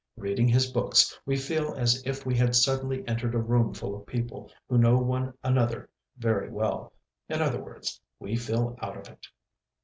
Reading his books, we feel as if we had suddenly entered a room full of people who know one another very well. In other words, we feel out of it."